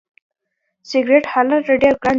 سیګرټ هلته ډیر ګران دي.